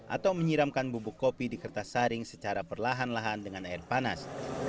atau menyiramkan bubuk kopi di kertas saring secara perlahan lahan dengan air panas